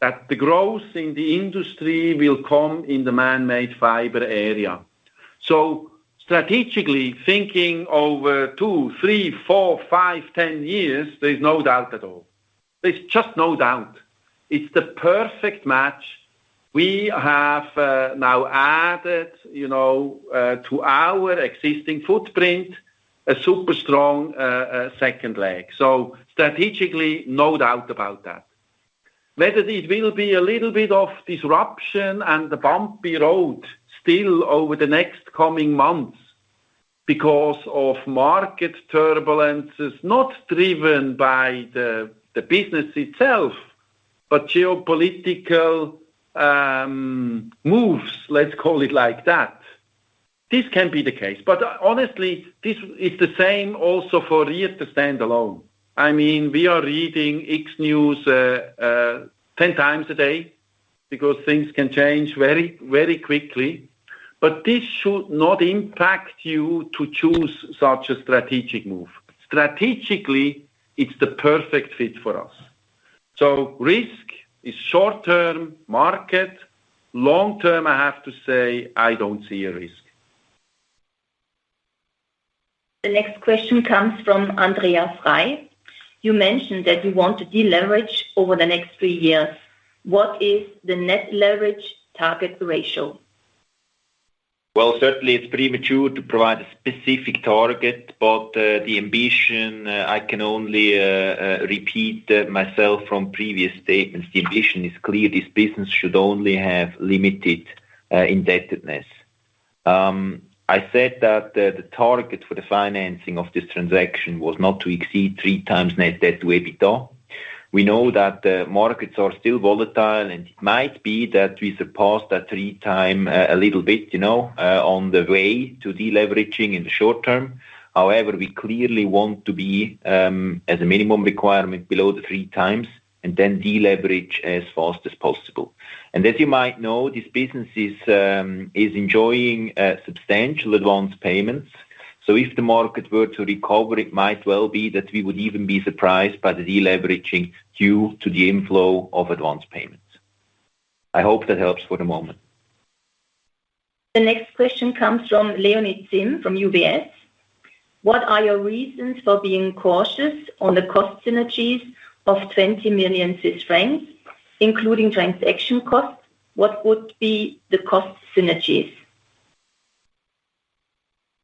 [SPEAKER 1] that the growth in the industry will come in the man-made fiber area. Strategically thinking over two, three, four, five, ten years, there is no doubt at all. There's just no doubt. It's the perfect match. We have now added to our existing footprint a super strong second leg. Strategically, no doubt about that. Whether it will be a little bit of disruption and a bumpy road still over the next coming months because of market turbulences not driven by the business itself, but geopolitical moves, let's call it like that, this can be the case. Honestly, it's the same also for Rieter standalone. I mean, we are reading X News ten times a day because things can change very, very quickly. This should not impact you to choose such a strategic move. Strategically, it's the perfect fit for us. Risk is short-term, market. Long-term, I have to say, I do not see a risk.
[SPEAKER 3] The next question comes from Andreas Rey. You mentioned that you want to deleverage over the next three years. What is the net leverage target ratio?
[SPEAKER 2] It is certainly premature to provide a specific target, but the ambition, I can only repeat myself from previous statements. The ambition is clear. This business should only have limited indebtedness. I said that the target for the financing of this transaction was not to exceed three times net debt to EBITDA. We know that markets are still volatile, and it might be that we surpass that three times a little bit on the way to deleveraging in the short term. However, we clearly want to be, as a minimum requirement, below the three times and then deleverage as fast as possible. As you might know, this business is enjoying substantial advance payments. If the market were to recover, it might well be that we would even be surprised by the deleveraging due to the inflow of advance payments. I hope that helps for the moment.
[SPEAKER 3] The next question comes from Leonie Zirn from UBS. What are your reasons for being cautious on the cost synergies of 20 million Swiss francs, including transaction costs? What would be the cost synergies?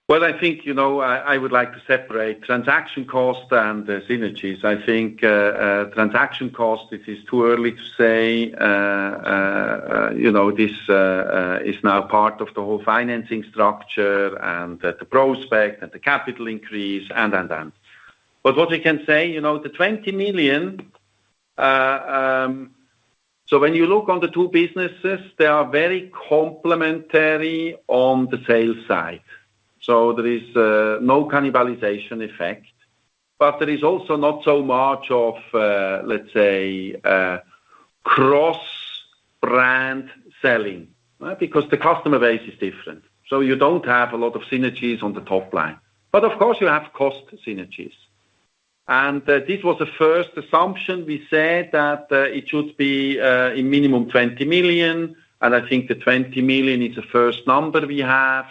[SPEAKER 2] I think I would like to separate transaction costs and synergies. I think transaction costs, it is too early to say. This is now part of the whole financing structure and the prospect and the capital increase and, and, and. What we can say, the 20 million, when you look on the two businesses, they are very complementary on the sales side. There is no cannibalization effect. There is also not so much of, let's say, cross-brand selling because the customer base is different. You do not have a lot of synergies on the top line. Of course, you have cost synergies. This was the first assumption. We said that it should be a minimum 20 million. I think the 20 million is the first number we have.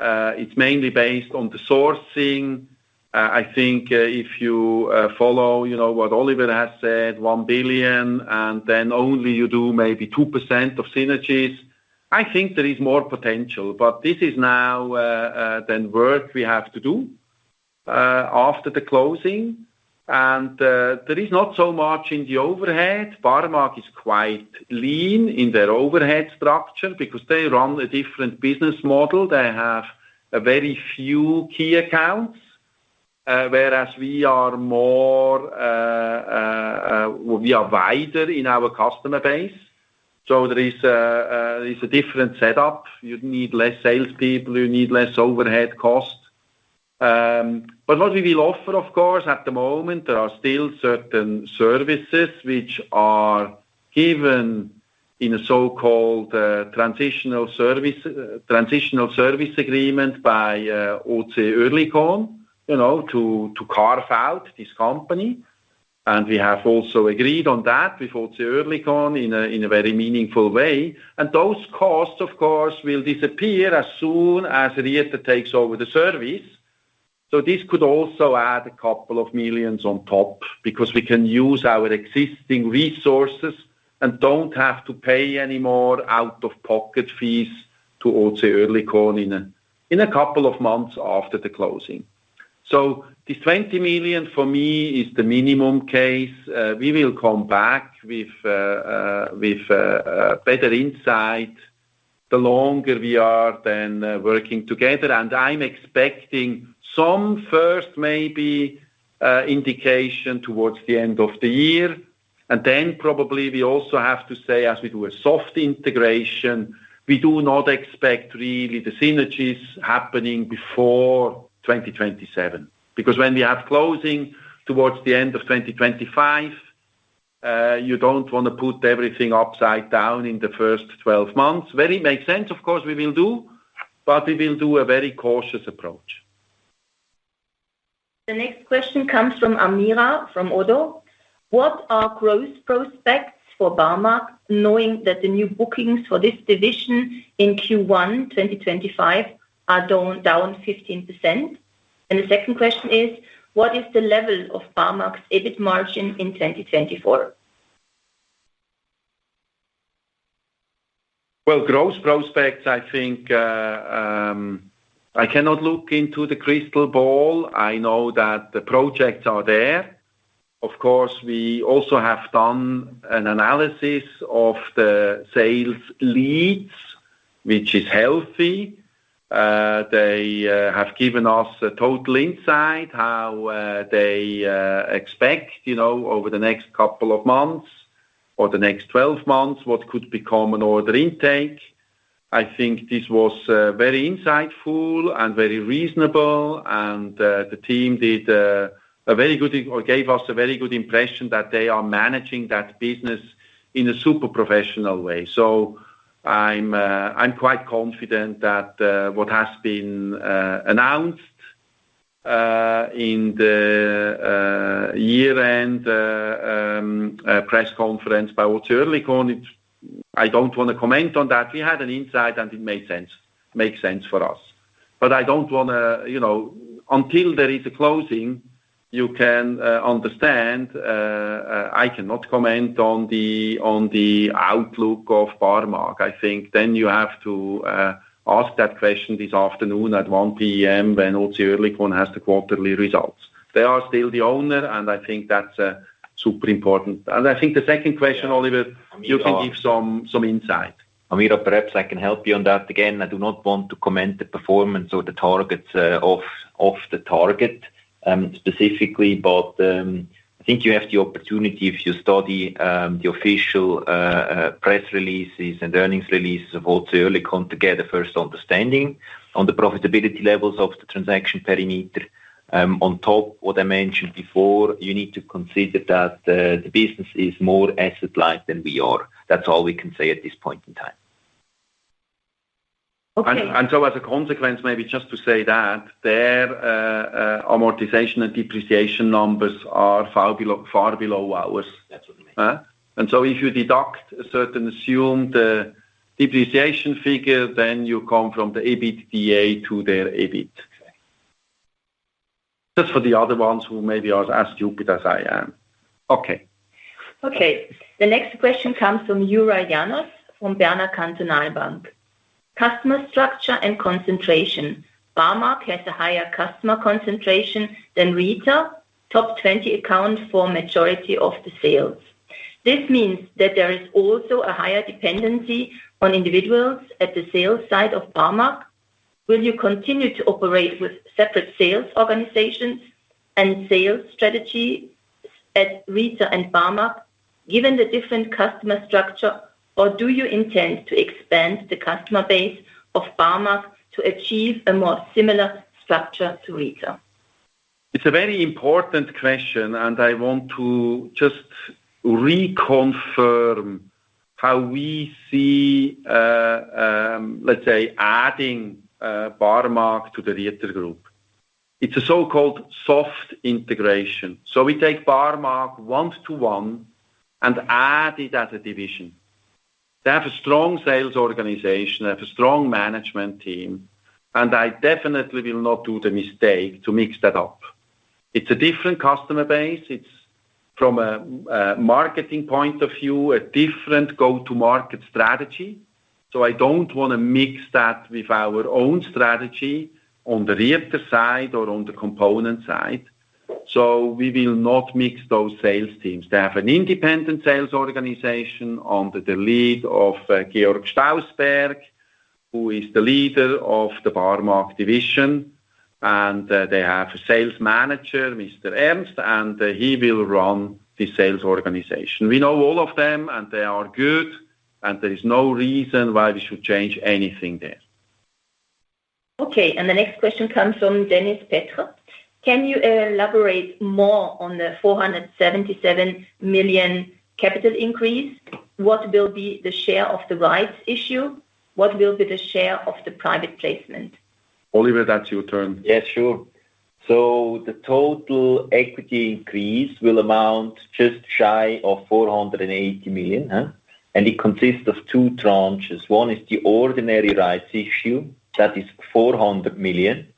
[SPEAKER 2] It is mainly based on the sourcing. I think if you follow what Oliver has said, 1 billion, and then only you do maybe 2% of synergies, I think there is more potential. This is now then work we have to do after the closing. There is not so much in the overhead. Barmag is quite lean in their overhead structure because they run a different business model. They have very few key accounts, whereas we are more—we are wider in our customer base. There is a different setup. You need fewer salespeople. You need less overhead cost. What we will offer, of course, at the moment, there are still certain services which are given in a so-called transitional service agreement by Oerlikon to Klarfeld, this company. We have also agreed on that with Oerlikon in a very meaningful way. Those costs, of course, will disappear as soon as Rieter takes over the service. This could also add a couple of millions on top because we can use our existing resources and do not have to pay any more out-of-pocket fees to Oerlikon in a couple of months after the closing. This 20 million, for me, is the minimum case. We will come back with better insight the longer we are then working together. I am expecting some first, maybe indication towards the end of the year. Probably we also have to say, as we do a soft integration, we do not expect really the synergies happening before 2027. Because when we have closing towards the end of 2025, you do not want to put everything upside down in the first 12 months. Very makes sense, of course, we will do. We will do a very cautious approach.
[SPEAKER 3] The next question comes from Amira from ODDO. What are growth prospects for Barmag, knowing that the new bookings for this division in Q1 2025 are down 15%? The second question is, what is the level of Barmag's EBIT margin in 2024?
[SPEAKER 1] I think I cannot look into the crystal ball. I know that the projects are there. Of course, we also have done an analysis of the sales leads, which is healthy. They have given us a total insight how they expect over the next couple of months or the next 12 months, what could become an order intake. I think this was very insightful and very reasonable. The team did a very good—or gave us a very good impression that they are managing that business in a super professional way. I am quite confident that what has been announced in the year-end press conference by Oerlikon, I do not want to comment on that. We had an insight, and it made sense for us. I do not want to—until there is a closing, you can understand. I cannot comment on the outlook of Barmag. I think you have to ask that question this afternoon at 1:00 P.M. when Oerlikon has the quarterly results. They are still the owner, and I think that's super important. I think the second question, Oliver, you can give some insight.
[SPEAKER 2] Amira, perhaps I can help you on that again. I do not want to comment the performance or the targets of the target specifically, but I think you have the opportunity if you study the official press releases and earnings releases of Oerlikon to get a first understanding on the profitability levels of the transaction perimeter. On top, what I mentioned before, you need to consider that the business is more asset-light than we are. That's all we can say at this point in time.
[SPEAKER 1] As a consequence, maybe just to say that their amortization and depreciation numbers are far below ours. If you deduct a certain assumed depreciation figure, then you come from the EBITDA to their EBIT. Just for the other ones who maybe are as stupid as I am.
[SPEAKER 3] Okay. The next question comes from Yura Yanos from Berner Kantonalbank. Customer structure and concentration. Barmag has a higher customer concentration than Rieter, top 20 account for majority of the sales. This means that there is also a higher dependency on individuals at the sales side of Barmag. Will you continue to operate with separate sales organizations and sales strategy at Rieter and Barmag, given the different customer structure, or do you intend to expand the customer base of Barmag to achieve a more similar structure to Rieter?
[SPEAKER 1] It's a very important question, and I want to just reconfirm how we see, let's say, adding Barmag to the Rieter group. It's a so-called soft integration. We take Barmag one to one and add it as a division. They have a strong sales organization, they have a strong management team, and I definitely will not do the mistake to mix that up. It's a different customer base. It's, from a marketing point of view, a different go-to-market strategy. I don't want to mix that with our own strategy on the Rieter side or on the component side. We will not mix those sales teams. They have an independent sales organization under the lead of Georg Stausberg, who is the leader of the Barmag division. They have a sales manager, Mr. Ernst, and he will run the sales organization. We know all of them, and they are good, and there is no reason why we should change anything there.
[SPEAKER 3] Okay. The next question comes from Dennis Petter. Can you elaborate more on the 477 million capital increase? What will be the share of the rights issue? What will be the share of the private placement?
[SPEAKER 1] Oliver, that's your turn.
[SPEAKER 2] Yes, sure. The total equity increase will amount just shy of 480 million. It consists of two tranches. One is the ordinary rights issue. That is 400 million.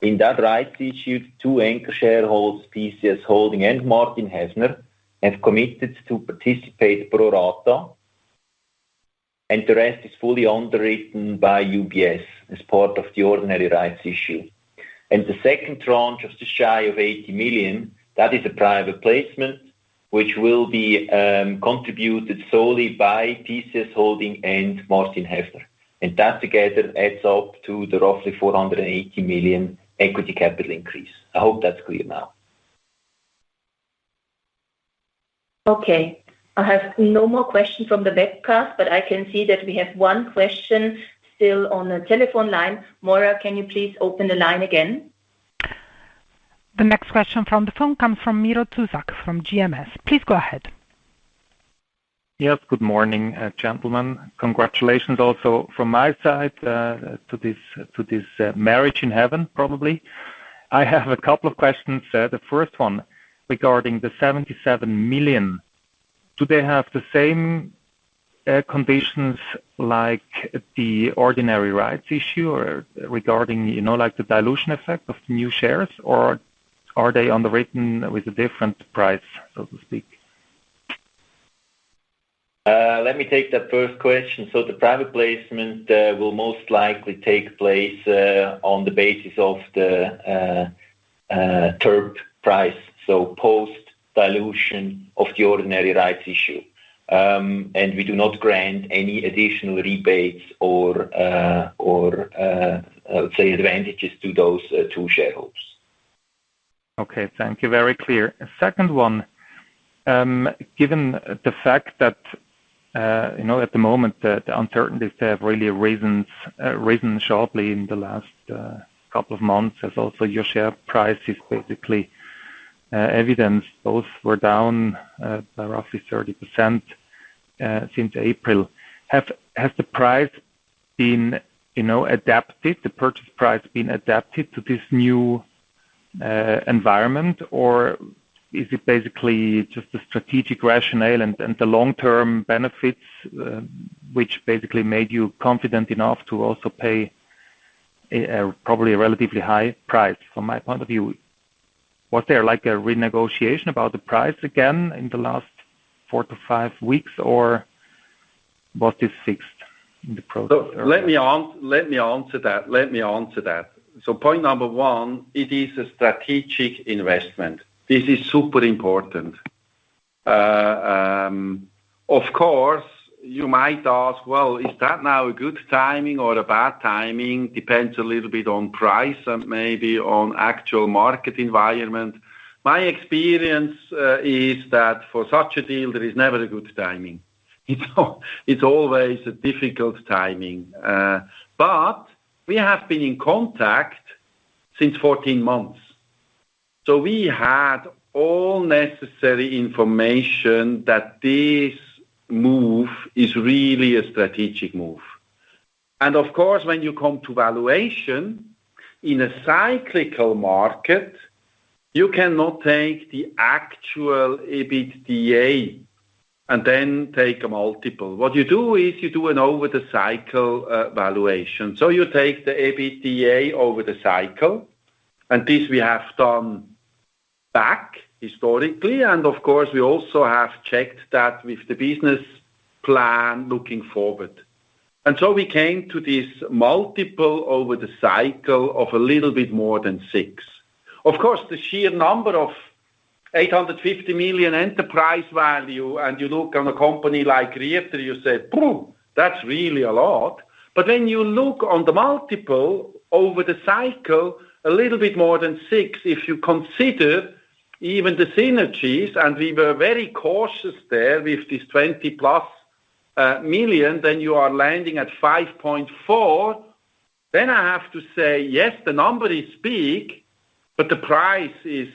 [SPEAKER 2] In that rights issue, two anchor shareholders, PCS Holding and Martin Heffner, have committed to participate pro rata. The rest is fully underwritten by UBS as part of the ordinary rights issue. The second tranche of just shy of 80 million is a private placement, which will be contributed solely by PCS Holding and Martin Heffner. That together adds up to the roughly 480 million equity capital increase. I hope that's clear now.
[SPEAKER 3] I have no more questions from the webcast, but I can see that we have one question still on the telephone line. Maura, can you please open the line again? The next question from the phone comes from Amira Tuzak from GMS. Please go ahead. Yes, good morning, gentlemen. Congratulations also from my side to this marriage in heaven, probably. I have a couple of questions. The first one regarding the 77 million. Do they have the same conditions like the ordinary rights issue or regarding the dilution effect of the new shares, or are they underwritten with a different price, so to speak?
[SPEAKER 1] Let me take that first question. The private placement will most likely take place on the basis of the TERP price, so post-dilution of the ordinary rights issue. We do not grant any additional rebates or, I would say, advantages to those two shareholders.
[SPEAKER 7] Okay. Thank you. Very clear. Second one, given the fact that at the moment, the uncertainties have really risen sharply in the last couple of months, as also your share price is basically evidenced. Both were down by roughly 30% since April. Has the price been adapted, the purchase price been adapted to this new environment, or is it basically just the strategic rationale and the long-term benefits which basically made you confident enough to also pay probably a relatively high price? From my point of view, was there a renegotiation about the price again in the last four to five weeks, or was this fixed in the process?
[SPEAKER 1] Let me answer that. Let me answer that. Point number one, it is a strategic investment. This is super important. Of course, you might ask, is that now a good timing or a bad timing? Depends a little bit on price and maybe on actual market environment. My experience is that for such a deal, there is never a good timing. It's always a difficult timing. We have been in contact since 14 months. We had all necessary information that this move is really a strategic move. Of course, when you come to valuation in a cyclical market, you cannot take the actual EBITDA and then take a multiple. What you do is you do an over-the-cycle valuation. You take the EBITDA over the cycle. This we have done back historically. Of course, we also have checked that with the business plan looking forward. We came to this multiple over the cycle of a little bit more than six. Of course, the sheer number of 850 million enterprise value, and you look on a company like Rieter, you say, "That's really a lot." When you look on the multiple over the cycle, a little bit more than six, if you consider even the synergies, and we were very cautious there with this 20-plus million, then you are landing at 5.4. I have to say, yes, the number is big, but the price is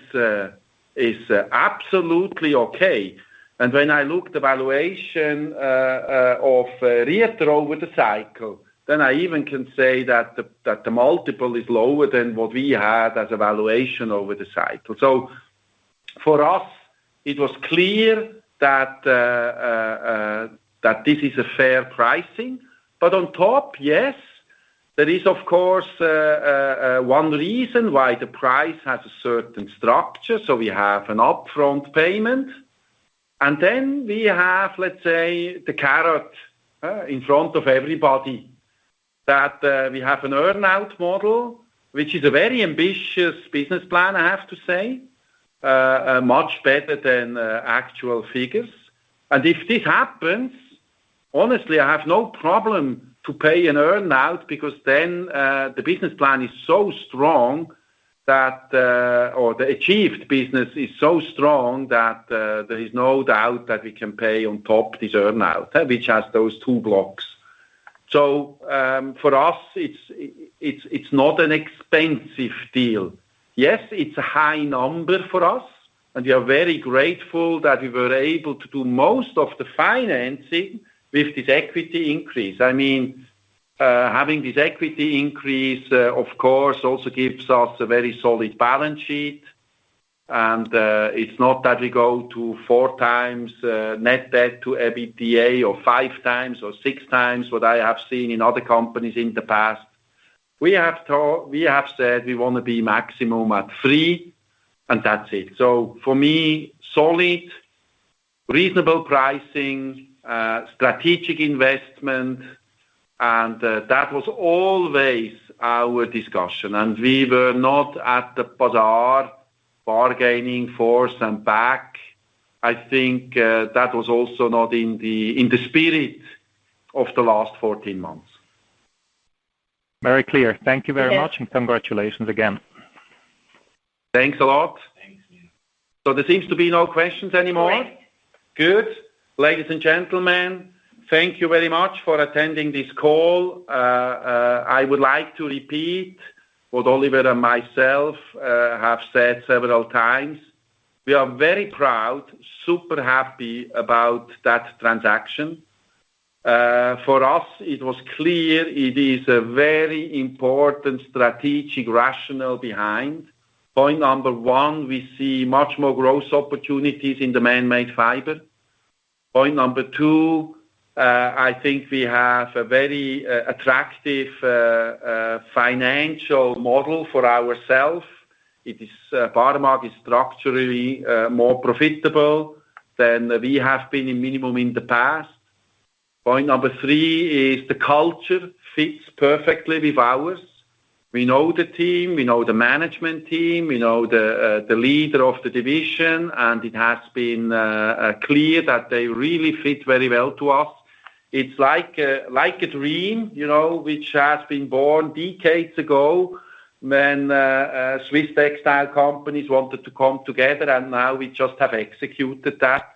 [SPEAKER 1] absolutely okay. When I look at the valuation of Rieter over the cycle, I even can say that the multiple is lower than what we had as a valuation over the cycle. For us, it was clear that this is a fair pricing. On top, yes, there is, of course, one reason why the price has a certain structure. We have an upfront payment. We have, let's say, the carrot in front of everybody, that we have an earnout model, which is a very ambitious business plan, I have to say, much better than actual figures. If this happens, honestly, I have no problem to pay an earnout because then the business plan is so strong that, or the achieved business is so strong that there is no doubt that we can pay on top this earnout, which has those two blocks. For us, it's not an expensive deal. Yes, it's a high number for us. We are very grateful that we were able to do most of the financing with this equity increase. I mean, having this equity increase, of course, also gives us a very solid balance sheet. It is not that we go to four times net debt to EBITDA or five times or six times, which I have seen in other companies in the past. We have said we want to be maximum at three, and that is it. For me, solid, reasonable pricing, strategic investment, and that was always our discussion. We were not at the bazaar, bargaining force and back. I think that was also not in the spirit of the last 14 months.
[SPEAKER 7] Very clear. Thank you very much, and congratulations again.
[SPEAKER 1] Thanks a lot. There seem to be no questions anymore. Good. Ladies and gentlemen, thank you very much for attending this call. I would like to repeat what Oliver and myself have said several times. We are very proud, super happy about that transaction. For us, it was clear it is a very important strategic rationale behind. Point number one, we see much more growth opportunities in the man-made fiber. Point number two, I think we have a very attractive financial model for ourselves. Barmag is structurally more profitable than we have been in minimum in the past. Point number three is the culture fits perfectly with ours. We know the team, we know the management team, we know the leader of the division, and it has been clear that they really fit very well to us. It's like a dream which has been born decades ago when Swiss textile companies wanted to come together, and now we just have executed that.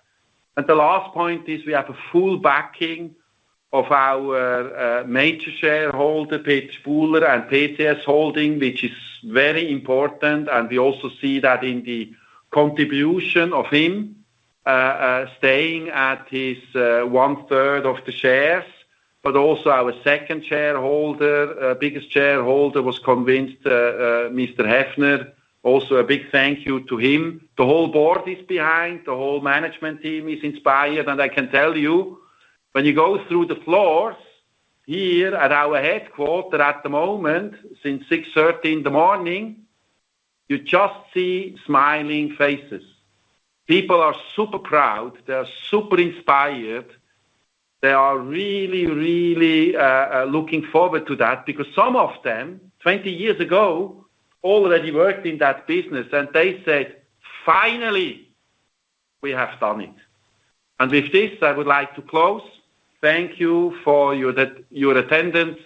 [SPEAKER 1] The last point is we have a full backing of our major shareholder, Peter Spuhler, and TCS Holding, which is very important. We also see that in the contribution of him, staying at his one-third of the shares. Also our second-biggest shareholder was convinced, Mr. Heffner, also a big thank you to him. The whole board is behind, the whole management team is inspired. I can tell you, when you go through the floors here at our headquarters at the moment since 6:30 in the morning, you just see smiling faces. People are super proud. They are super inspired. They are really, really looking forward to that because some of them, 20 years ago, already worked in that business. They said, "Finally, we have done it." With this, I would like to close. Thank you for your attendance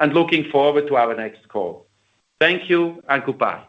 [SPEAKER 1] and looking forward to our next call. Thank you and goodbye.